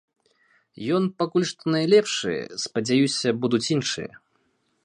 Ён пакуль што найлепшы, спадзяюся, будуць іншыя.